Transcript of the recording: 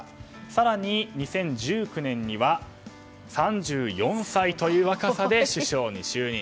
更に、２０１９年には３４歳という若さで首相に就任。